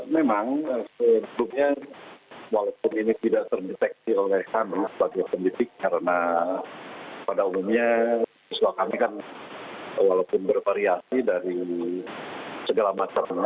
memang sebelumnya walaupun ini tidak terdeteksi oleh kami sebagai pendidik karena pada umumnya siswa kami kan walaupun bervariasi dari segala macam